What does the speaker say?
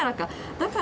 だから。